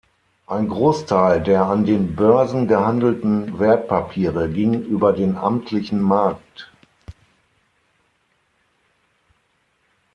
Ein Großteil der an den Börsen gehandelten Wertpapiere ging über den amtlichen Markt.